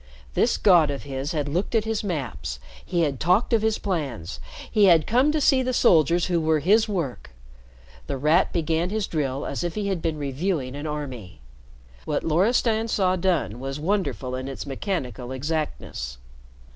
This god of his had looked at his maps, he had talked of his plans, he had come to see the soldiers who were his work! The Rat began his drill as if he had been reviewing an army. What Loristan saw done was wonderful in its mechanical exactness.